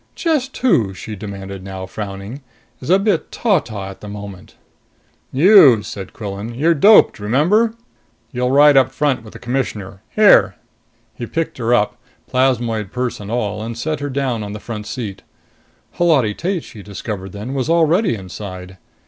"Just who," she demanded now, frowning, "is a bit ta ta at the moment?" "You," said Quillan. "You're doped, remember? You'll ride up front with the Commissioner. Here." He picked her up, plasmoid purse and all, and set her down on the front seat. Holati Tate, she discovered then, was already inside.